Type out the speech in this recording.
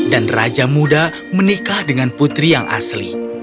dan raja muda menikah dengan putri yang asli